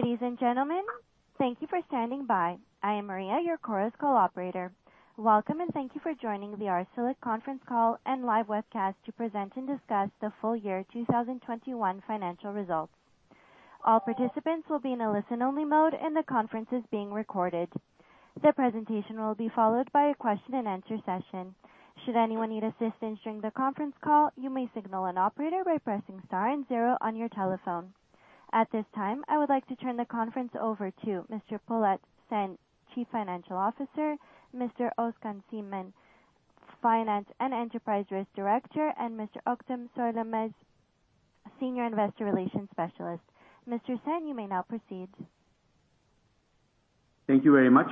Ladies and gentlemen, thank you for standing by. I am Maria, your chorus call operator. Welcome, and thank you for joining the Arçelik conference call and live webcast to present and discuss the full year 2021 financial results. All participants will be in a listen only mode, and the conference is being recorded. The presentation will be followed by a question and answer session. Should anyone need assistance during the conference call, you may signal an operator by pressing star and zero on your telephone. At this time, I would like to turn the conference over to Mr. Polat Şen, Chief Financial Officer, Mr. Özkan Çimen, Finance and Enterprise Risk Director, and Mr. Oktay Sörmez, Senior Investor Relations Specialist. Mr. Şen, you may now proceed. Thank you very much.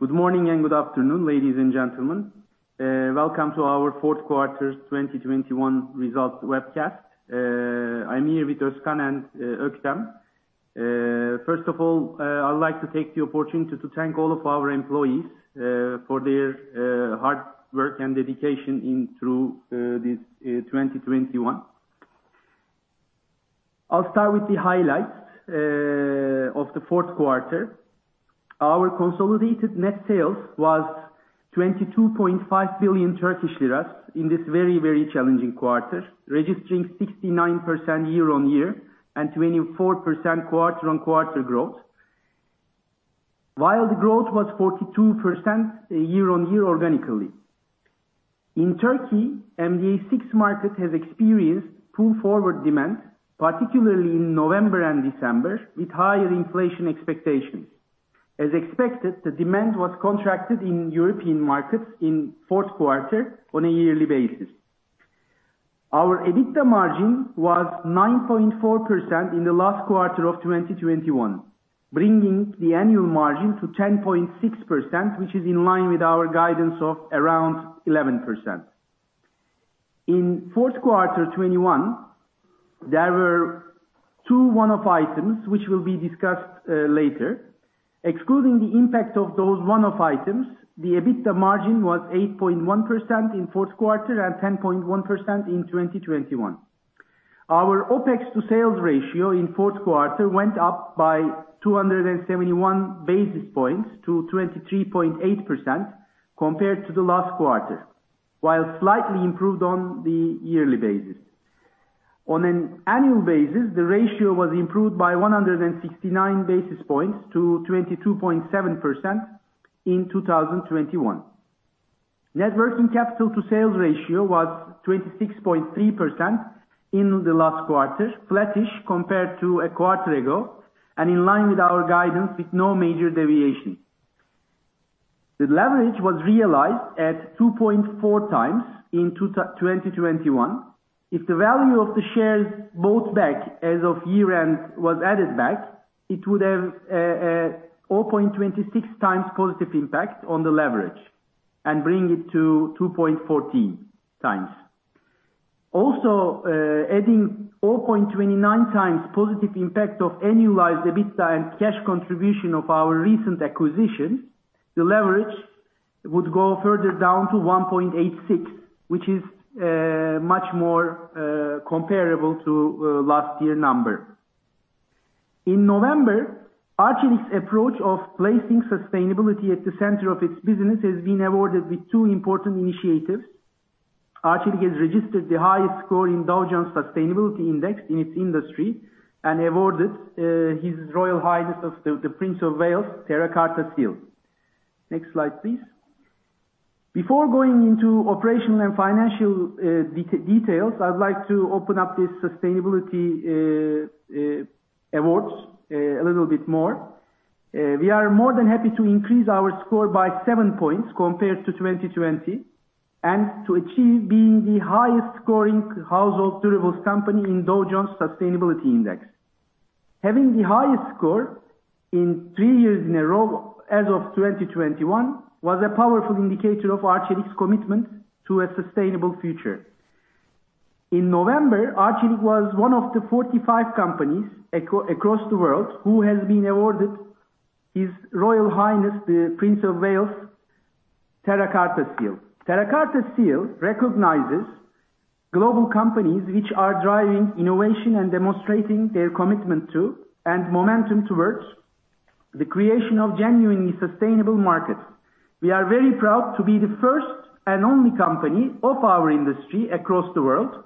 Good morning and good afternoon, ladies and gentlemen. Welcome to our Q4 2021 results webcast. I'm here with Özkan and Oktay. First of all, I'd like to take the opportunity to thank all of our employees for their hard work and dedication throughout this 2021. I'll start with the highlights of the fourth quarter. Our consolidated net sales was 22.5 billion Turkish lira in this very, very challenging quarter, registering 69% year-on-year and 24% quarter-on-quarter growth. While the growth was 42% year-on-year organically. In Turkey, MDA market has experienced pull-forward demand, particularly in November and December, with higher inflation expectations. As expected, the demand was contracted in European markets in fourth quarter on a yearly basis. Our EBITDA margin was 9.4% in the last quarter of 2021, bringing the annual margin to 10.6%, which is in line with our guidance of around 11%. In fourth quarter 2021, there were two one-off items which will be discussed later. Excluding the impact of those one-off items, the EBITDA margin was 8.1% in fourth quarter and 10.1% in 2021. Our OpEx to sales ratio in fourth quarter went up by 271 basis points to 23.8% compared to the last quarter, while slightly improved on the yearly basis. On an annual basis, the ratio was improved by 169 basis points to 22.7% in 2021. Net working capital to sales ratio was 26.3% in the last quarter, flattish compared to a quarter ago and in line with our guidance with no major deviation. The leverage was realized at 2.4x in 2021. If the value of the shares bought back as of year-end was added back, it would have 4.26x positive impact on the leverage and bring it to 2.14x. Also, adding 4.29x positive impact of annualized EBITDA and cash contribution of our recent acquisition, the leverage would go further down to 1.86x, which is much more comparable to last year number. In November, Arçelik's approach of placing sustainability at the center of its business has been awarded with two important initiatives. Arçelik has registered the highest score in Dow Jones Sustainability Index in its industry and awarded His Royal Highness the Prince of Wales Terra Carta Seal. Next slide, please. Before going into operational and financial details, I'd like to open up this sustainability awards a little bit more. We are more than happy to increase our score by 7 points compared to 2020, and to achieve being the highest scoring household durables company in Dow Jones Sustainability Index. Having the highest score in three years in a row as of 2021 was a powerful indicator of Arçelik's commitment to a sustainable future. In November, Arçelik was one of the 45 companies across the world who has been awarded His Royal Highness the Prince of Wales Terra Carta Seal. Terra Carta Seal recognizes global companies which are driving innovation and demonstrating their commitment to, and momentum towards the creation of genuinely sustainable markets. We are very proud to be the first and only company of our industry across the world,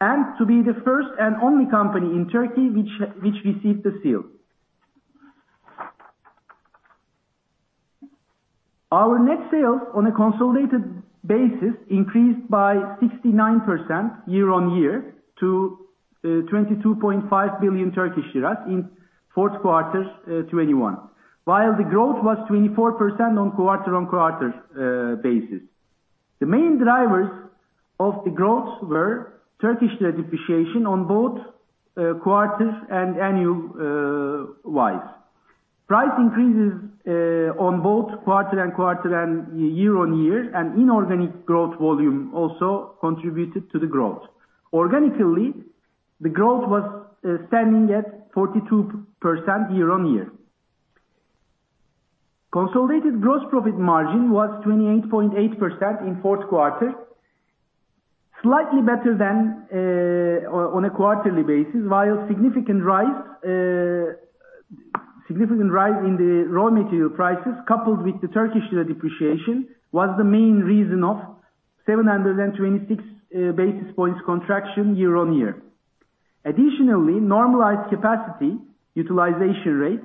and to be the first and only company in Turkey which received the seal. Our net sales on a consolidated basis increased by 69% year-on-year to 22.5 billion in fourth quarter 2021. While the growth was 24% on quarter-on-quarter basis. The main drivers of the growth were Turkish depreciation on both quarters and annually. Price increases on both quarter-on-quarter and year-on-year and inorganic growth volume also contributed to the growth. Organically, the growth was standing at 42% year-on-year. Consolidated gross profit margin was 28.8% in fourth quarter, slightly better than on a quarterly basis, while significant rise in the raw material prices, coupled with the Turkish lira depreciation, was the main reason of 726 basis points contraction year-on-year. Additionally, normalized capacity utilization rate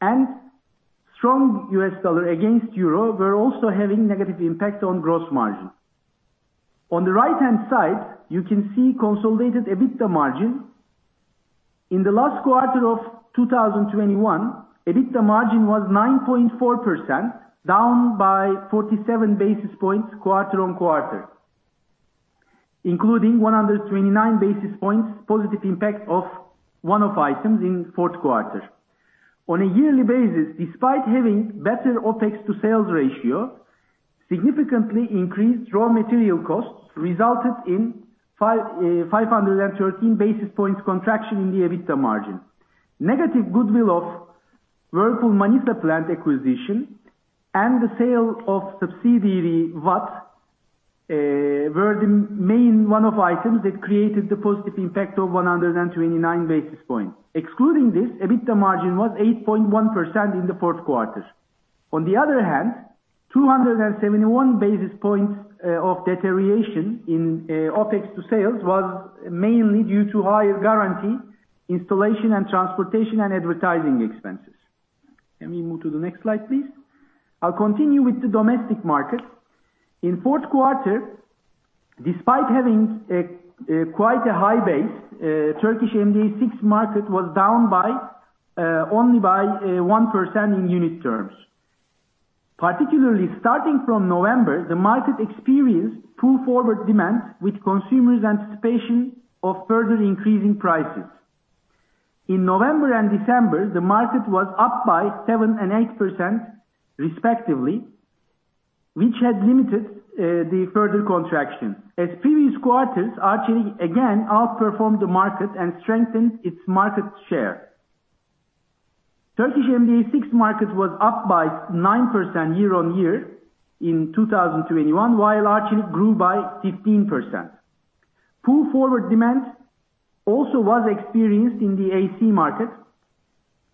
and strong U.S. dollar against Euro were also having negative impact on gross margin. On the right-hand side, you can see consolidated EBITDA margin. In the last quarter of 2021, EBITDA margin was 9.4%, down by 47 basis points quarter-on-quarter, including 129 basis points positive impact of one-off items in fourth quarter. On a yearly basis, despite having better OpEx to sales ratio, significantly increased raw material costs resulted in 513 basis points contraction in the EBITDA margin. Negative goodwill of Whirlpool Manisa plant acquisition and the sale of subsidiary Watt were the main one-off items that created the positive impact of 129 basis points. Excluding this, EBITDA margin was 8.1% in the fourth quarter. On the other hand, 271 basis points of deterioration in OpEx to sales was mainly due to higher guarantee, installation and transportation and advertising expenses. Can we move to the next slide, please? I'll continue with the domestic market. In fourth quarter, despite having a quite high base, Turkish MDA market was down by only 1% in unit terms. Particularly starting from November, the market experienced pull-forward demand with consumers' anticipation of further increasing prices. In November and December, the market was up by 7% and 8% respectively, which had limited the further contraction. As in previous quarters, Arçelik again outperformed the market and strengthened its market share. Turkish MDA market was up by 9% year-on-year in 2021, while Arçelik grew by 15%. Pull-forward demand also was experienced in the AC market.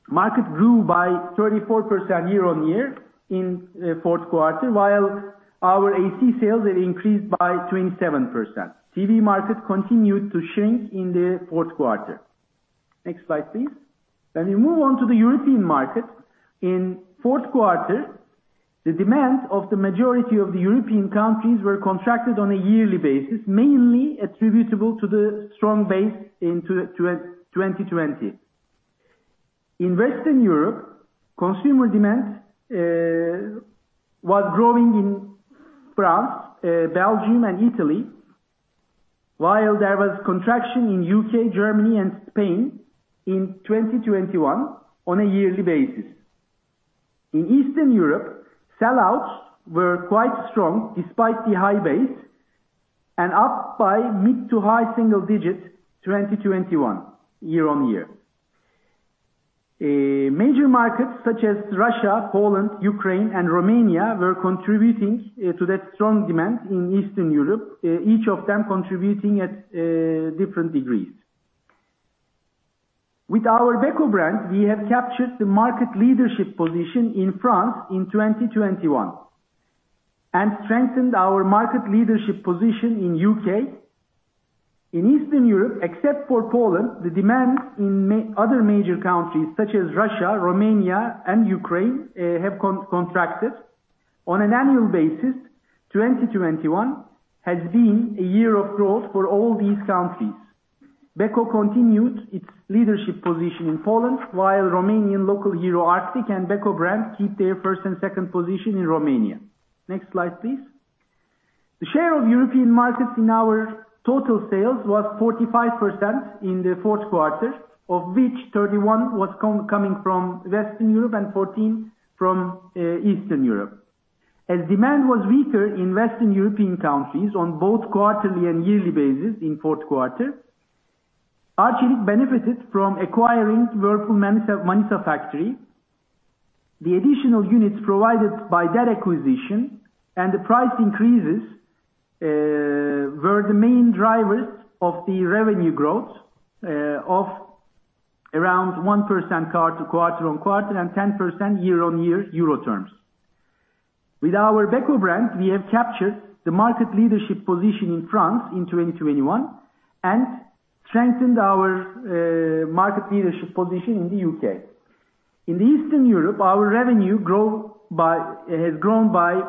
Market grew by 34% year-on-year in fourth quarter, while our AC sales increased by 27%. TV market continued to shrink in the fourth quarter. Next slide, please. Let me move on to the European market. In fourth quarter, the demand of the majority of the European countries was contracted on a yearly basis, mainly attributable to the strong base in 2020. In Western Europe, consumer demand was growing in France, Belgium and Italy, while there was contraction in U.K., Germany and Spain in 2021 on a yearly basis. In Eastern Europe, sell-outs were quite strong despite the high base and up by mid- to high-single digit, 2021 year-on-year. Major markets such as Russia, Poland, Ukraine and Romania were contributing to that strong demand in Eastern Europe, each of them contributing at different degrees. With our Beko brand, we have captured the market leadership position in France in 2021 and strengthened our market leadership position in U.K. In Eastern Europe, except for Poland, the demand in other major countries such as Russia, Romania and Ukraine have contracted. On an annual basis, 2021 has been a year of growth for all these countries. Beko continued its leadership position in Poland, while Romanian local hero Arctic and Beko brand keep their first and second position in Romania. Next slide, please. The share of European markets in our total sales was 45% in the fourth quarter, of which 31% was coming from Western Europe and 14% from Eastern Europe. As demand was weaker in Western European countries on both quarterly and yearly basis in fourth quarter, Arçelik benefited from acquiring Whirlpool Manisa factory. The additional units provided by that acquisition and the price increases were the main drivers of the revenue growth of around 1% quarter-on-quarter and 10% year-on-year Euro terms. With our Beko brand, we have captured the market leadership position in France in 2021 and strengthened our market leadership position in the U.K. In Eastern Europe, our revenue has grown by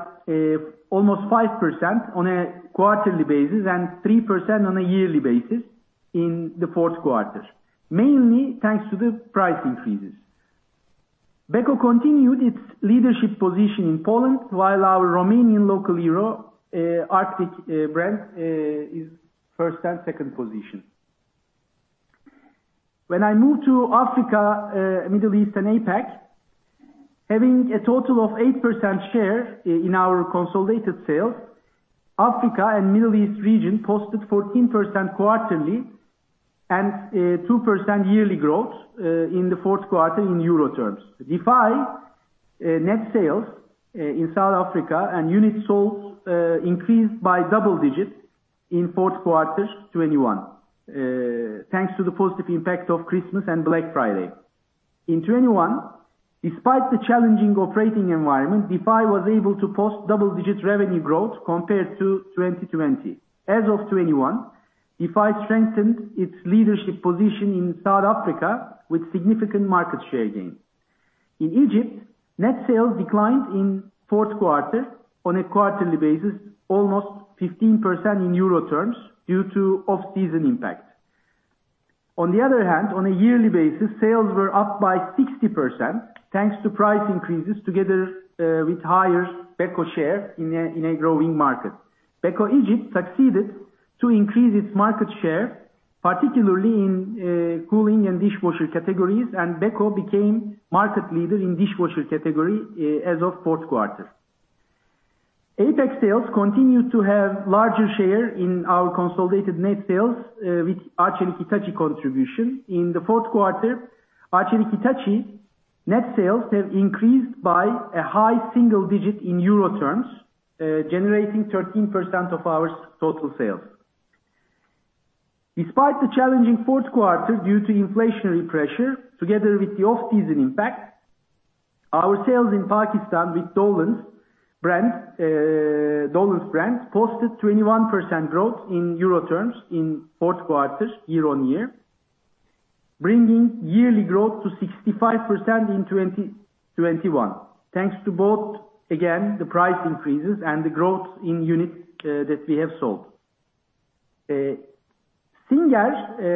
almost 5% on a quarterly basis and 3% on a yearly basis in the fourth quarter, mainly thanks to the price increases. Beko continued its leadership position in Poland, while our Romanian local hero, Arctic brand, is first and second position. When I move to Africa, Middle East and APAC, having a total of 8% share in our consolidated sales, Africa and Middle East region posted 14% quarterly and 2% yearly growth in the fourth quarter in Euro terms. Defy net sales in South Africa and units sold increased by double digits in fourth quarter to 21%. Thanks to the positive impact of Christmas and Black Friday. In 2021, despite the challenging operating environment, Defy was able to post double-digit revenue growth compared to 2020. As of 2021, Defy strengthened its leadership position in South Africa with significant market share gains. In Egypt, net sales declined in fourth quarter on a quarterly basis, almost 15% in Euro terms due to off-season impact. On the other hand, on a yearly basis, sales were up by 60%, thanks to price increases together with higher Beko share in a growing market. Beko Egypt succeeded to increase its market share, particularly in cooling and dishwasher categories, and Beko became market leader in dishwasher category as of fourth quarter. APAC sales continue to have larger share in our consolidated net sales with Arçelik Hitachi contribution. In the fourth quarter, Arçelik Hitachi net sales have increased by a high single-digit in Euro terms, generating 13% of our total sales. Despite the challenging fourth quarter due to inflationary pressure, together with the off-season impact, our sales in Pakistan with Dawlance brand posted 21% growth in Euro terms in fourth quarter year-on-year, bringing yearly growth to 65% in 2021. Thanks to both, again, the price increases and the growth in units that we have sold. Singer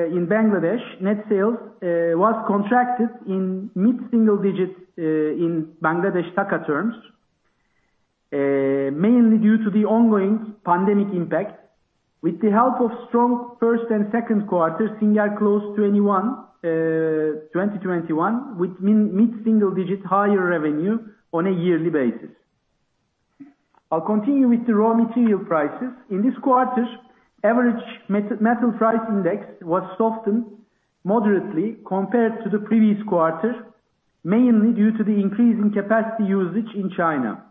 in Bangladesh, net sales was contracted in mid-single digits in Bangladesh Taka terms. Mainly due to the ongoing pandemic impact. With the help of strong first and second quarters, Singer closed 2021 with mid-single-digit higher revenue on a yearly basis. I'll continue with the raw material prices. In this quarter, average metal price index was softened moderately compared to the previous quarter, mainly due to the increase in capacity usage in China.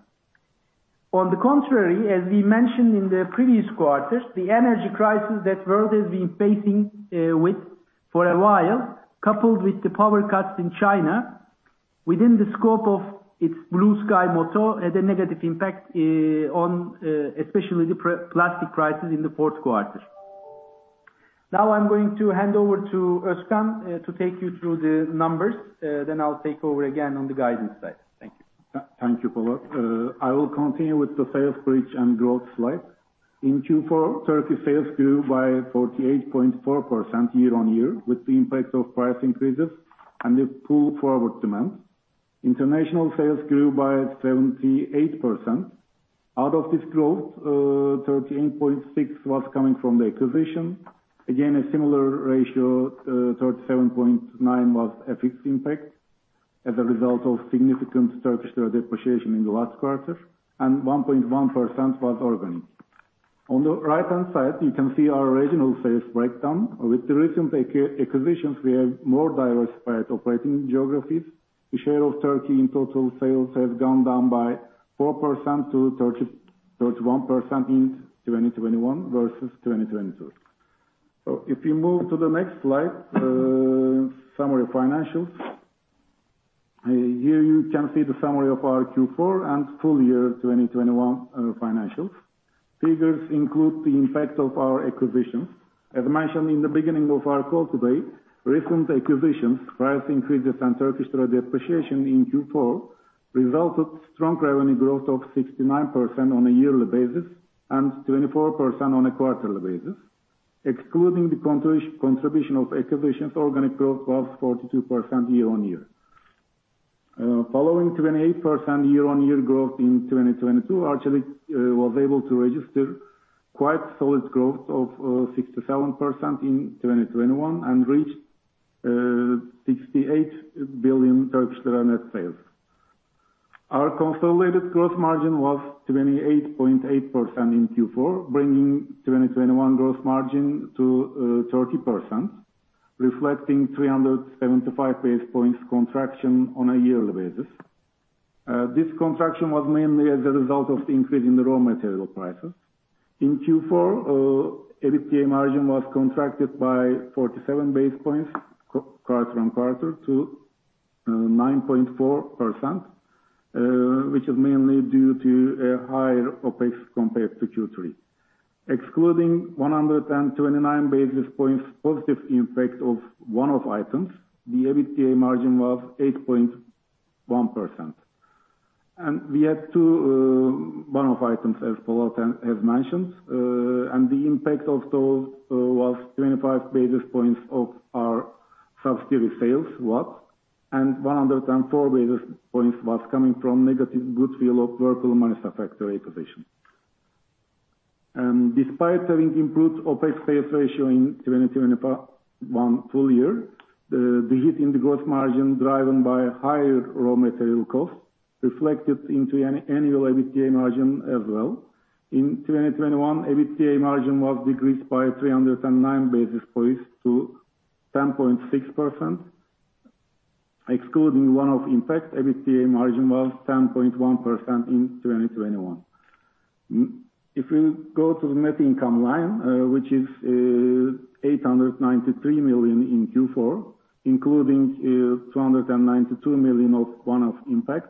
On the contrary, as we mentioned in the previous quarters, the energy crisis that the world has been facing for a while, coupled with the power cuts in China within the scope of its Blue Sky motto had a negative impact on especially the plastic prices in the fourth quarter. Now I'm going to hand over to Özkan to take you through the numbers, then I'll take over again on the guidance side. Thank you. Thank you, Polat. I will continue with the sales breakdown and growth slide. In Q4, Turkey sales grew by 48.4% year-on-year with the impact of price increases and with full forward demand. International sales grew by 78%. Out of this growth, 13.6% was coming from the acquisition. Again, a similar ratio, 37.9% was FX impact as a result of significant Turkish lira depreciation in the last quarter, and 1.1% was organic. On the right-hand side, you can see our regional sales breakdown. With the recent acquisitions, we have more diversified operating geographies. The share of Turkey in total sales has gone down by 4%-31% in 2021 versus 2022. If you move to the next slide, summary financials. Here you can see the summary of our Q4 and full year 2021 financials. Figures include the impact of our acquisitions. As mentioned in the beginning of our call today, recent acquisitions, price increases and Turkish lira depreciation in Q4 resulted in stronger revenue growth of 69% on a yearly basis and 24% on a quarterly basis. Excluding the contribution of acquisitions, organic growth was 42% year-over-year. Following 28% year-over-year growth in 2022, Arçelik was able to register quite solid growth of 67% in 2021 and reached TRY 68 billion net sales. Our consolidated gross margin was 28.8% in Q4, bringing 2021 gross margin to 30%, reflecting 375 basis points contraction on a yearly basis. This contraction was mainly as a result of the increase in the raw material prices. In Q4, EBITDA margin was contracted by 47 basis points quarter-on-quarter to 9.4%, which is mainly due to a higher OpEx compared to Q3. Excluding 129 basis points positive impact of one-off items, the EBITDA margin was 8.1%. We had two one-off items as Polat has mentioned, and the impact of those was 25 basis points of our subsidiary sales, Watt, and 104 basis points was coming from negative goodwill of Whirlpool Manisa factory acquisition. Despite having improved OpEx sales ratio in 2021 full year, the hit in the gross margin driven by higher raw material costs reflected into an annual EBITDA margin as well. In 2021, EBITDA margin was decreased by 309 basis points to 10.6%. Excluding one-off impact, EBITDA margin was 10.1% in 2021. If we go to the net income line, which is 893 million in Q4, including 292 million of one-off impact.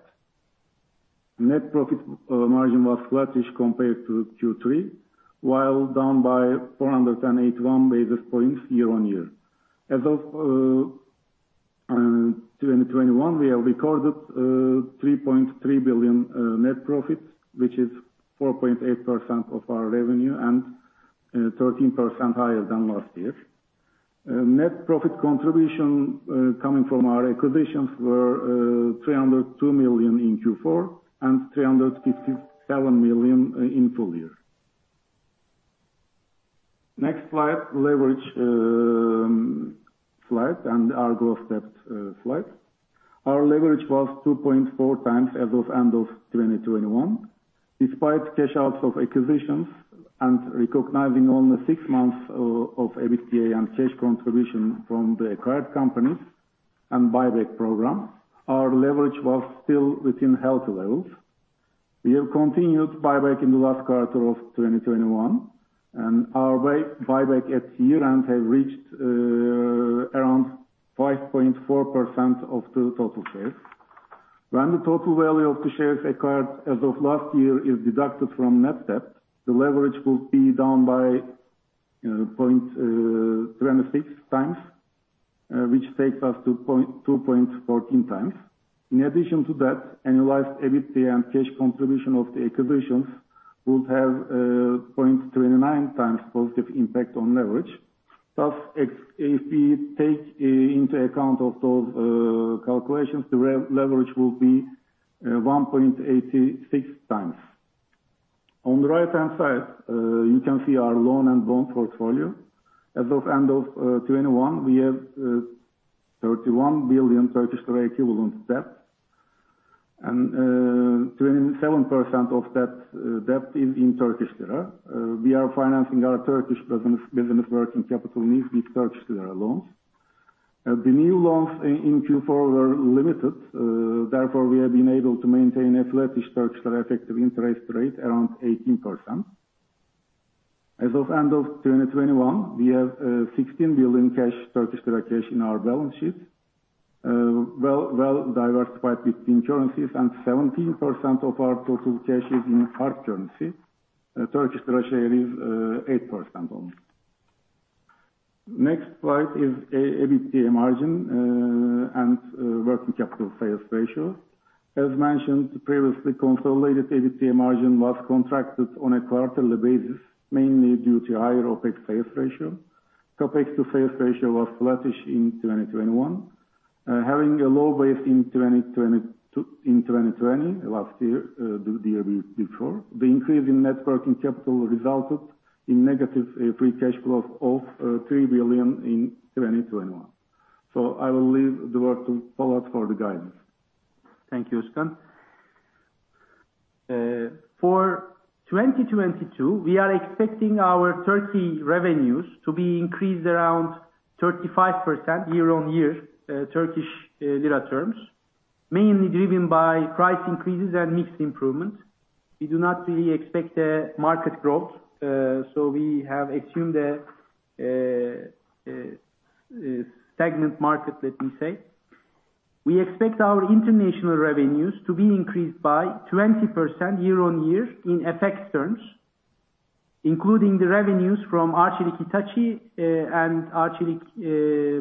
Net profit margin was flattish compared to Q3, while down by 481 basis points year-on-year. As of 2021, we have recorded 3.3 billion net profit, which is 4.8% of our revenue and 13% higher than last year. Net profit contribution coming from our acquisitions were 302 million in Q4 and 357 million in full year. Next slide, leverage slide and our growth steps slide. Our leverage was 2.4x as of end of 2021. Despite cash outs of acquisitions and recognizing only six months of EBITDA and cash contribution from the acquired companies and buyback program, our leverage was still within healthy levels. We have continued buyback in the last quarter of 2021, and our buyback at year-end have reached around 5.4% of the total shares. When the total value of the shares acquired as of last year is deducted from net debt, the leverage will be down by, you know, 0.26x, which takes us to 2.14x. In addition to that, annualized EBITDA and cash contribution of the acquisitions would have 0.29x positive impact on leverage. Plus, if we take into account of those calculations, the leverage will be 1.86x. On the right-hand side, you can see our loan and bond portfolio. As of end of 2021, we have 31 billion Turkish lira equivalent debt. 27% of debt is in Turkish lira. We are financing our Turkish business working capital needs with Turkish lira loans. The new loans in Q4 were limited, therefore we have been able to maintain a flattish Turkish lira effective interest rate around 18%. As of end of 2021, we have 16 billion cash, Turkish lira cash in our balance sheet, well diversified between currencies, and 17% of our total cash is in hard currency. Turkish lira share is 8% only. Next slide is EBITDA margin and working capital sales ratio. As mentioned previously, consolidated EBITDA margin was contracted on a quarterly basis, mainly due to higher OpEx sales ratio. CapEx to sales ratio was flattish in 2021. Having a low base in 2020, last year, the year before, the increase in net working capital resulted in negative free cash flow of 3 billion in 2021. I will leave the word to Polat for the guidance. Thank you, Özkan. For 2022, we are expecting our Turkey revenues to be increased around 35% year-on-year, Turkish lira terms, mainly driven by price increases and mixed improvements. We do not really expect a market growth, so we have assumed a stagnant market, let me say. We expect our international revenues to be increased by 20% year-on-year in FX terms, including the revenues from Arçelik Hitachi and Arçelik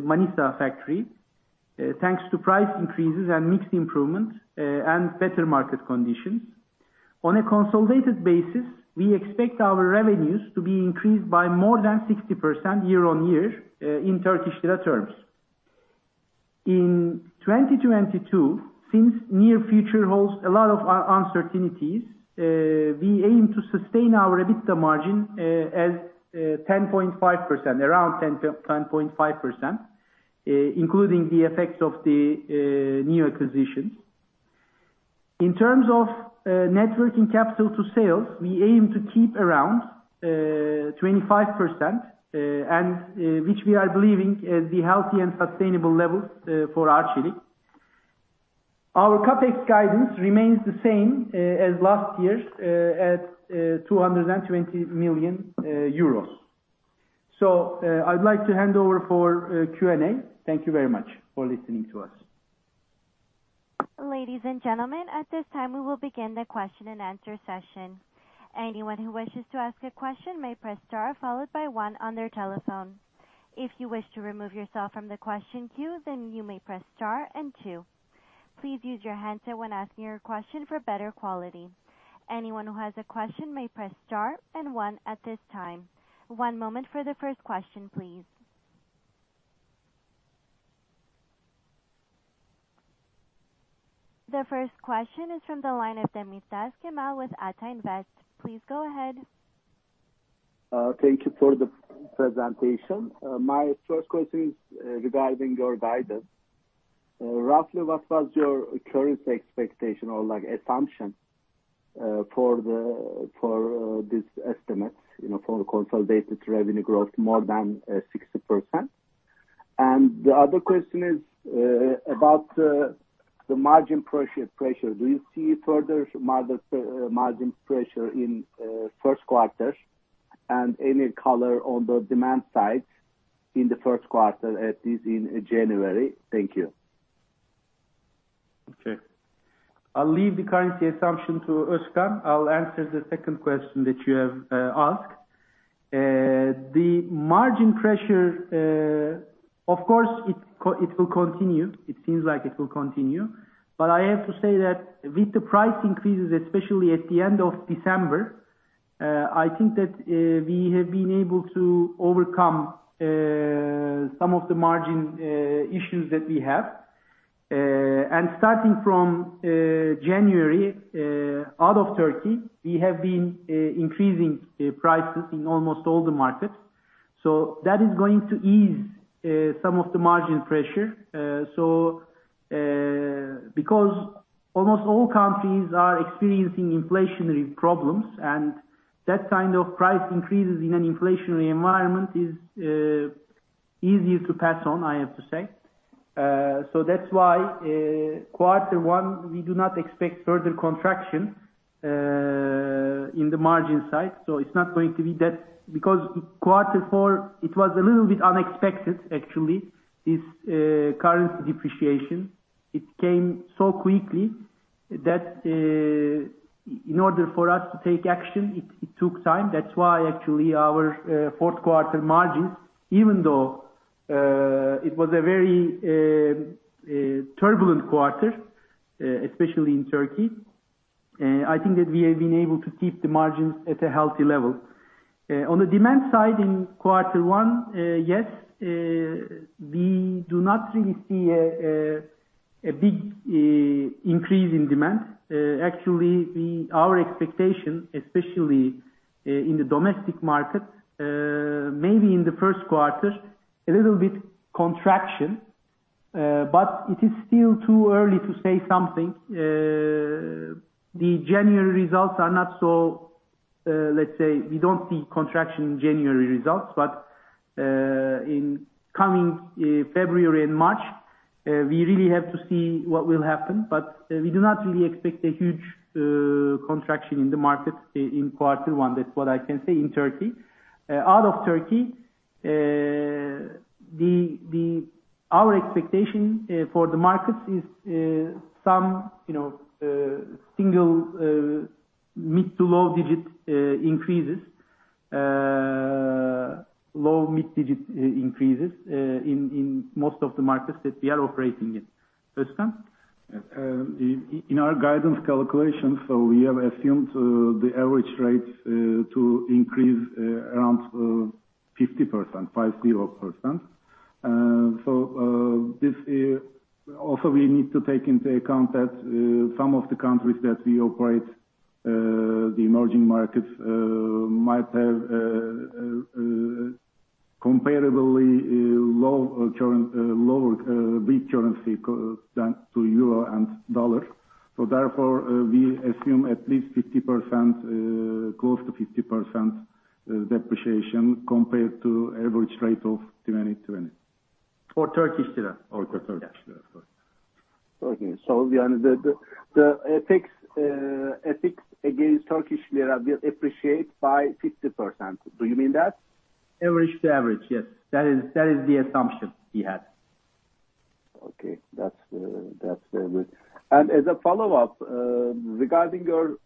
Manisa factory, thanks to price increases and mixed improvements and better market conditions. On a consolidated basis, we expect our revenues to be increased by more than 60% year-on-year in Turkish lira terms. In 2022, since near future holds a lot of uncertainties, we aim to sustain our EBITDA margin as 10.5%, around 10%-10.5%, including the effects of the new acquisitions. In terms of net working capital to sales, we aim to keep around 25%, and which we are believing is the healthy and sustainable levels for Arçelik. Our CapEx guidance remains the same as last year at 220 million euros. I'd like to hand over for Q&A. Thank you very much for listening to us. Ladies and gentlemen, at this time, we will begin the question and answer session. Anyone who wishes to ask a question may press star followed by one on their telephone. If you wish to remove yourself from the question queue, then you may press star and two. Please use your handset when asking your question for better quality. Anyone who has a question may press star and one at this time. One moment for the first question, please. The first question is from the line of Cemal Demirtaş with Ata Invest. Please go ahead. Thank you for the presentation. My first question is regarding your guidance. Roughly what was your current expectation or like assumption for this estimate, you know, for the consolidated revenue growth more than 60%. The other question is about the margin pressure. Do you see further margin pressure in first quarter? And any color on the demand side in the first quarter, at least in January. Thank you. Okay. I'll leave the currency assumption to Özkan. I'll answer the second question that you have asked. The margin pressure, of course it will continue. It seems like it will continue. I have to say that with the price increases, especially at the end of December, I think that we have been able to overcome some of the margin issues that we have. Starting from January, out of Turkey, we have been increasing prices in almost all the markets. That is going to ease some of the margin pressure. Because almost all countries are experiencing inflationary problems, and that kind of price increases in an inflationary environment is easier to pass on, I have to say. That's why quarter one we do not expect further contraction in the margin side. It's not going to be that. Because quarter four it was a little bit unexpected, actually, this currency depreciation. It came so quickly that in order for us to take action, it took time. That's why actually our fourth quarter margins, even though it was a very turbulent quarter, especially in Turkey, I think that we have been able to keep the margins at a healthy level. On the demand side in quarter one, yes, we do not really see a big increase in demand. Actually our expectation, especially in the domestic market, maybe in the first quarter a little bit contraction, but it is still too early to say something. The January results are not so. Let's say we don't see contraction in January results, but in coming February and March, we really have to see what will happen. We do not really expect a huge contraction in the market in quarter one. That's what I can say in Turkey. Out of Turkey, our expectation for the markets is some, you know, single mid-to-low digit increases. Low-mid digit increases in most of the markets that we are operating in. Özkan? In our guidance calculations, we have assumed the average rates to increase around 50%, 50%. This also we need to take into account that some of the countries that we operate, the emerging markets, might have comparably lower weak currencies compared to Euro and Dollar. Therefore, we assume at least 50%, close to 50%, depreciation compared to average rate of 2020. For Turkish lira. For Turkish lira, sorry. Okay. The FX against Turkish lira will appreciate by 50%. Do you mean that? Average-to-average, yes. That is the assumption he had. Okay. That's very good. As a follow-up, regarding your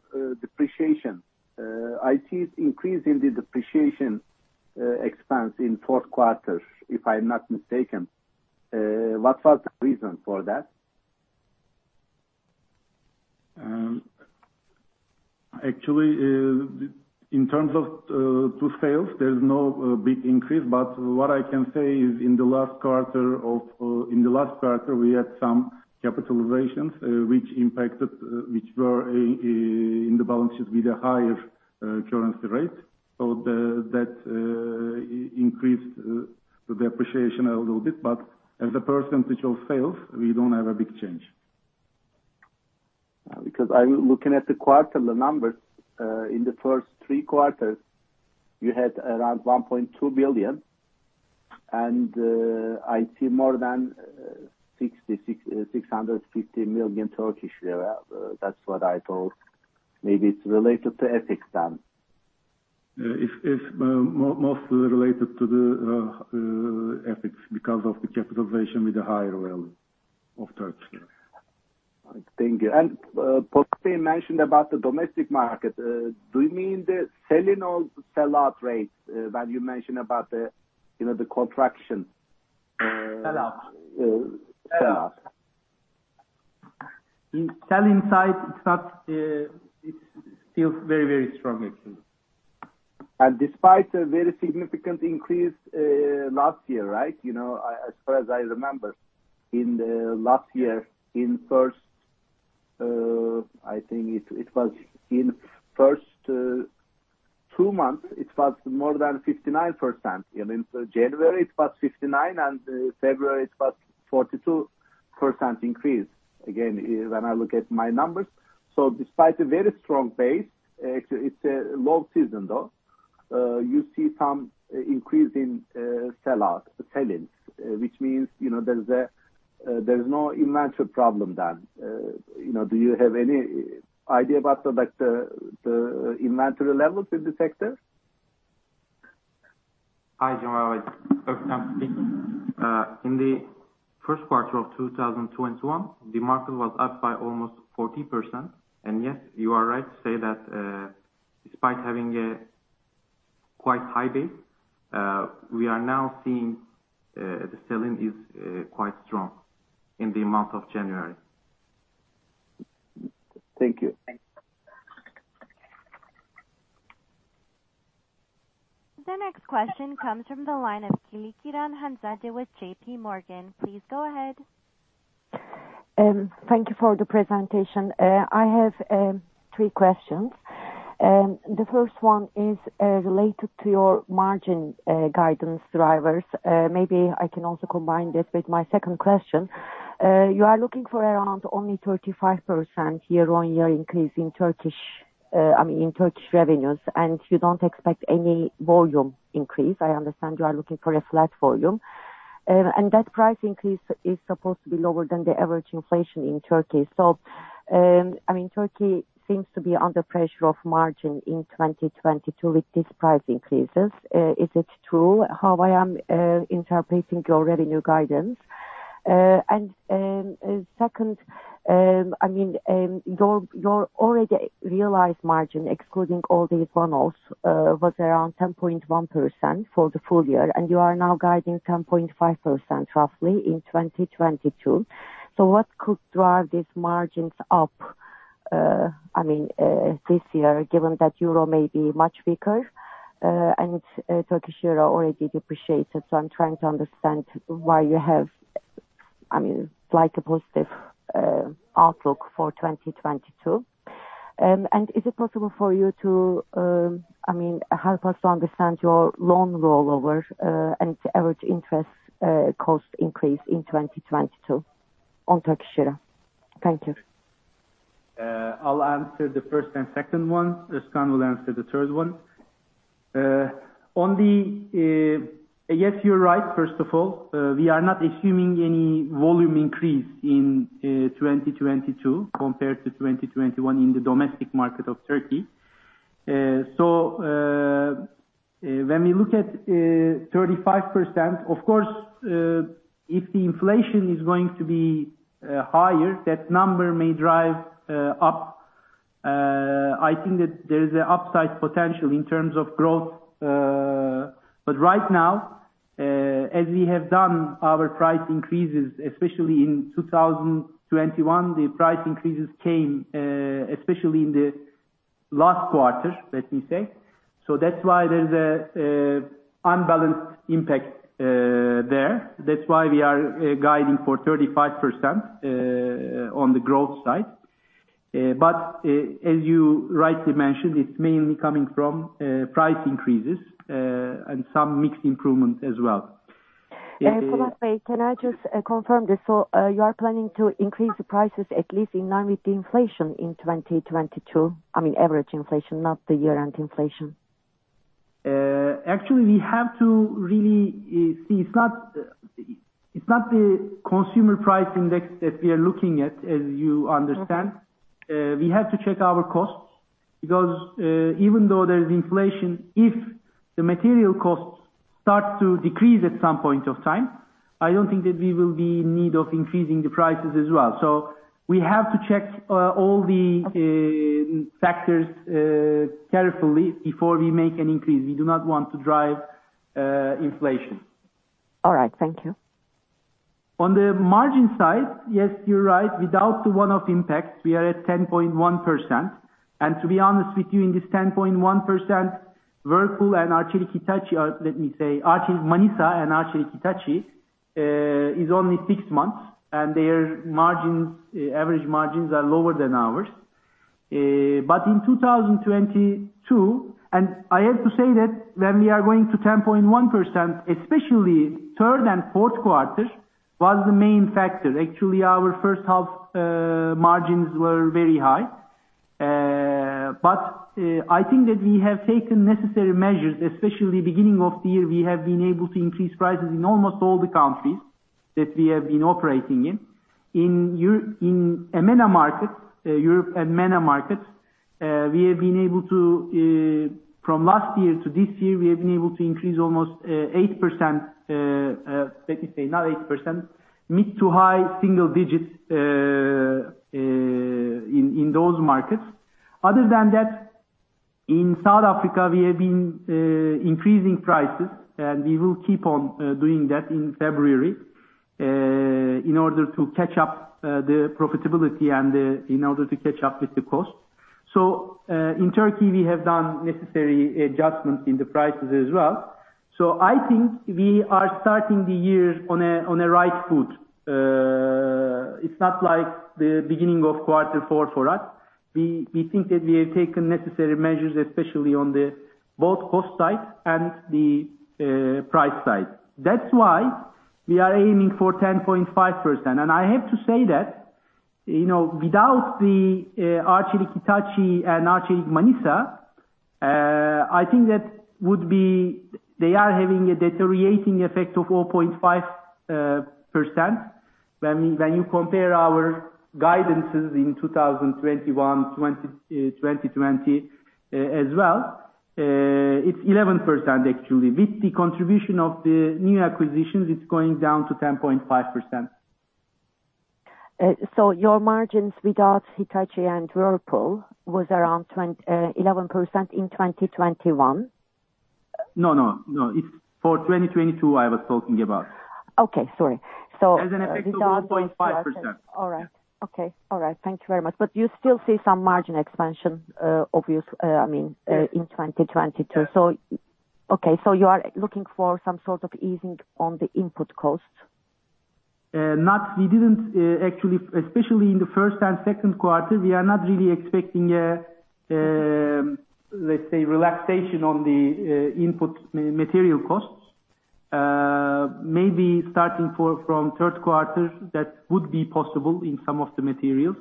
depreciation, I see its increase in the depreciation expense in fourth quarter, if I'm not mistaken. What was the reason for that? Actually, in terms of sales, there's no big increase. What I can say is in the last quarter, we had some capitalizations which were in the balances with a higher currency rate. That increased the depreciation a little bit. As a percentage of sales, we don't have a big change. Because I'm looking at the quarter, the numbers. In the first three quarters, you had around 1.2 billion. I see more than 665 million Turkish lira. That's what I thought. Maybe it's related to FX then. It's most related to the FX because of the appreciation with the higher value of Turkish lira. Thank you. Polat Şen mentioned about the domestic market. Do you mean the selling or sell-out rates that you mentioned about the, you know, the contraction? Sell-out. Sell-out. In selling side, it's not, it's still very, very strong actually. Despite a very significant increase last year, right? You know, as far as I remember in the last year, in the first two months, it was more than 59%. You know, in January it was 59%, and February it was 42% increase. Again, when I look at my numbers, despite a very strong base, it's a low season though, you see some increase in sell-out, sell-ins, which means, you know, there's no inventory problem then. You know, do you have any idea about like the inventory levels in the sector? Hi, Cemal. It's Özkan speaking. In the first quarter of 2021, the market was up by almost 40%. Yes, you are right to say that, despite having a quite high base, we are now seeing the sales are quite strong in the month of January. Thank you. The next question comes from the line of Hanzade Kılıçkıran with JPMorgan. Please go ahead. Thank you for the presentation. I have three questions. The first one is related to your margin guidance drivers. Maybe I can also combine this with my second question. You are looking for around only 35% year-on-year increase in Turkish revenues, and you don't expect any volume increase. I understand you are looking for a flat volume. That price increase is supposed to be lower than the average inflation in Turkey. I mean, Turkey seems to be under pressure of margin in 2022 with these price increases. Is it true how I am interpreting your revenue guidance? Second, I mean, your already realized margin excluding all these one-offs was around 10.1% for the full year, and you are now guiding 10.5% roughly in 2022. What could drive these margins up, I mean, this year, given that Euro may be much weaker and Turkish lira already depreciated. I'm trying to understand why you have, I mean, like a positive outlook for 2022. Is it possible for you to, I mean, help us to understand your loan rollover and average interest cost increase in 2022 on Turkish lira? Thank you. I'll answer the first and second one. Özkan will answer the third one. Yes, you're right, first of all. We are not assuming any volume increase in 2022 compared to 2021 in the domestic market of Turkey. When we look at 35%, of course, if the inflation is going to be higher, that number may drive up. I think that there is an upside potential in terms of growth. Right now, as we have done our price increases, especially in 2021, the price increases came especially in the last quarter, let me say. That's why there's an unbalanced impact there. That's why we are guiding for 35% on the growth side. As you rightly mentioned, it's mainly coming from price increases and some mixed improvement as well. Can I just confirm this? You are planning to increase the prices at least in line with the inflation in 2022? I mean, average inflation, not the year-end inflation. Actually, we have to really see, it's not the consumer price index that we are looking at, as you understand. Okay. We have to check our costs because, even though there's inflation, if the material costs start to decrease at some point of time, I don't think that we will be in need of increasing the prices as well. We have to check all the factors carefully before we make an increase. We do not want to drive inflation. All right, thank you. On the margin side, yes, you're right. Without the one-off impacts, we are at 10.1%. To be honest with you, in this 10.1%, Whirlpool and Arçelik, let me say, Arçelik Manisa and Arçelik Hitachi is only six months, and their margins, average margins are lower than ours. In 2022, and I have to say that when we are going to 10.1%, especially third and fourth quarter was the main factor. Actually, our first half margins were very high. I think that we have taken necessary measures, especially beginning of the year, we have been able to increase prices in almost all the countries that we have been operating in. In Europe and MENA markets, from last year to this year, we have been able to increase almost, let me say not 8%, in those markets. Other than that, in South Africa, we have been increasing prices, and we will keep on doing that in February, in order to catch up with the profitability and in order to catch up with the costs. In Turkey we have done necessary adjustments in the prices as well. I think we are starting the year on a right foot. It's not like the beginning of quarter four for us. We think that we have taken necessary measures, especially on both the cost side and the price side. That's why we are aiming for 10.5%. I have to say that, you know, without the Arçelik Hitachi and Arçelik Manisa, I think that would be, they are having a deteriorating effect of 4.5%. When you compare our guidances in 2021 and 2020 as well, it's 11% actually. With the contribution of the new acquisitions, it's going down to 10.5%. Your margins without Hitachi and Whirlpool was around 11% in 2021? No, no. It's for 2022 I was talking about. Okay, sorry. As in effect of 4.5%. All right. Okay. All right. Thank you very much. You still see some margin expansion, I mean, in 2022. Yes. Okay. You are looking for some sort of easing on the input costs? We didn't actually, especially in the first and second quarter, we are not really expecting a, let's say relaxation on the input material costs. Maybe starting from third quarter, that would be possible in some of the materials.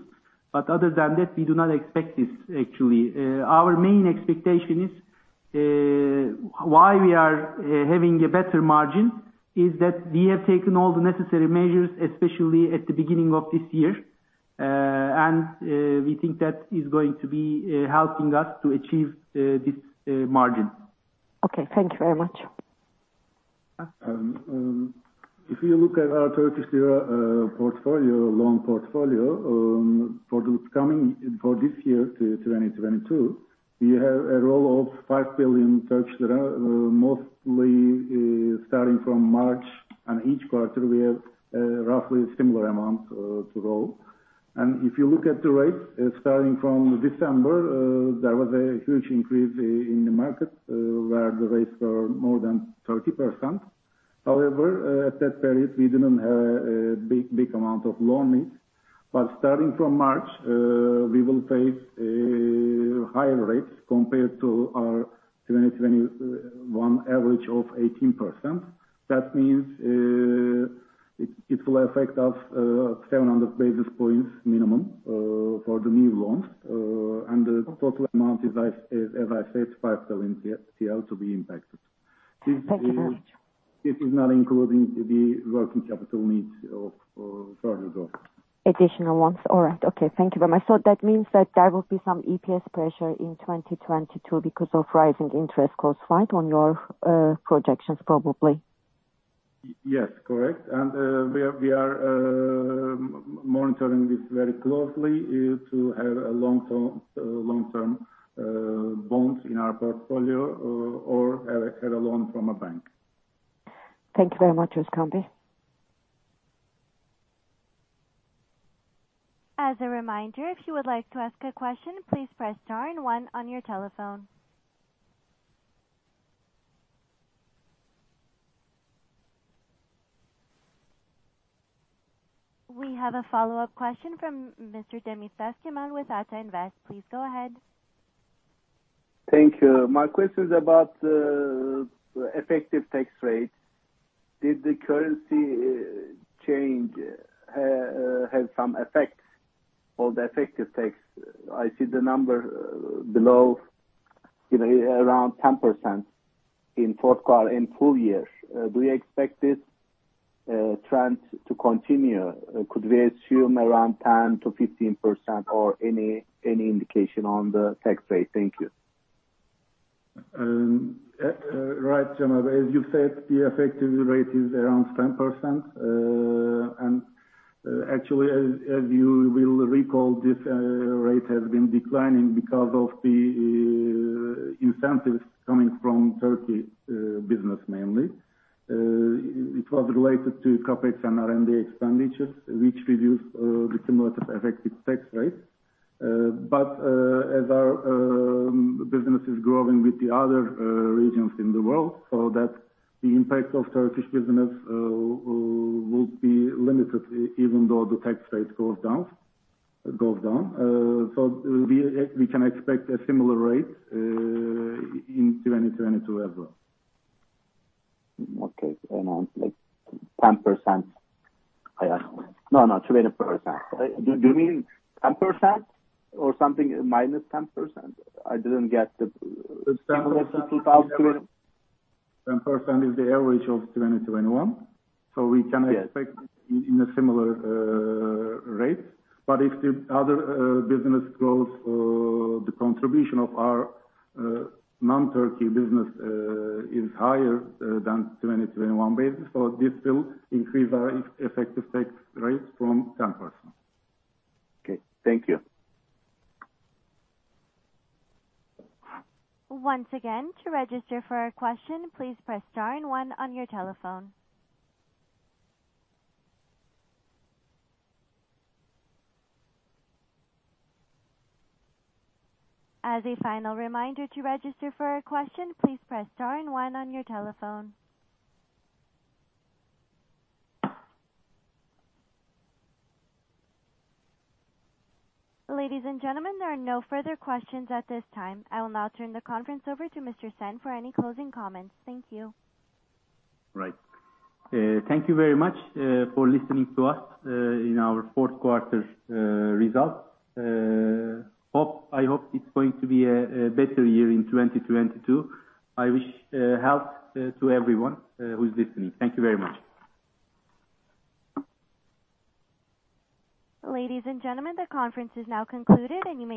Other than that, we do not expect this actually. Our main expectation is why we are having a better margin is that we have taken all the necessary measures, especially at the beginning of this year. We think that is going to be helping us to achieve this margin. Okay, thank you very much. If you look at our Turkish lira loan portfolio for this year to 2022, we have a roll of 5 billion Turkish lira, mostly starting from March. Each quarter we have roughly similar amount to roll. If you look at the rates starting from December, there was a huge increase in the market where the rates were more than 30%. However, at that period we didn't have a big amount of loan needs. Starting from March, we will face higher rates compared to our 2021 average of 18%. That means it will affect us 700 basis points minimum for the new loans. The total amount is as I said, 5 billion to be impacted. Thank you very much. This is not including the working capital needs of further growth. Additional ones. All right. Okay. Thank you very much. That means that there will be some EPS pressure in 2022 because of rising interest costs, right, on your projections probably? Yes, correct. We are monitoring this very closely to have long-term bonds in our portfolio or have a loan from a bank. Thank you very much, Özkan Bey. As a reminder, if you would like to ask a question, please press star and one on your telephone. We have a follow-up question from Mr. Cemal Demirtaş with Ata Invest. Please go ahead. Thank you. My question is about effective tax rate. Did the currency change have some effect on the effective tax? I see the number below, you know, around 10% in fourth quarter in full year. Do you expect this trend to continue? Could we assume around 10%-15% or any indication on the tax rate? Thank you. Right, Cemal. As you said, the effective rate is around 10%. Actually, as you will recall, this rate has been declining because of the incentives coming from Turkish business mainly. It was related to CapEx and R&D expenditures which reduced the similar effective tax rate. As our business is growing with the other regions in the world, the impact of Turkish business will be limited even though the tax rate goes down. We can expect a similar rate in 2022 as well. Okay. Like 10%. I Yes. No, no. 20%. Do you mean 10% or something minus 10%? I didn't get the. 10% is the average of 2021. Yes. We can expect at a similar rate. If the other business growth, the contribution of our non-Turkey business is higher than 2021 basis points, this will increase our effective tax rate from 10%. Okay. Thank you. Ladies and gentlemen, there are no further questions at this time. I will now turn the conference over to Mr. Şen for any closing comments. Thank you. Right. Thank you very much for listening to us in our fourth quarter results. I hope it's going to be a better year in 2022. I wish health to everyone who's listening. Thank you very much. Ladies and gentlemen, the conference is now concluded and you may-